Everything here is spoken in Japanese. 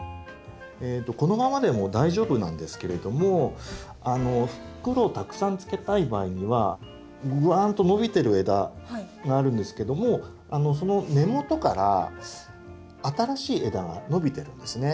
このままでも大丈夫なんですけれども袋をたくさんつけたい場合にはぐわんと伸びてる枝があるんですけどもその根元から新しい枝が伸びてるんですね